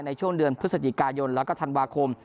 ในช่วงเดือนพฤศจิกายนแล้วก็ธันวาคม